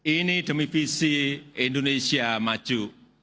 ini demi visi indonesia maju